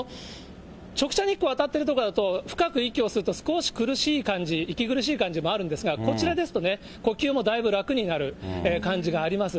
直射日光当たってる所だと、深く息を吸うと少し苦しい感じ、息苦しい感じがあるんですが、こちらですとね、呼吸もだいぶ楽になる感じがあります。